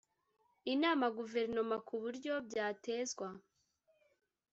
inama guverinoma ku buryo byatezwa